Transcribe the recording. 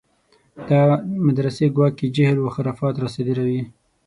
دا مدرسې ګواکې جهل و خرافات راصادروي.